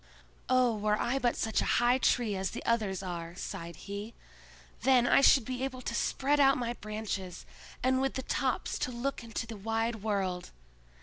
"Oh, were I but such a high tree as the others are," sighed he. "Then I should be able to spread out my branches, and with the tops to look into the wide world!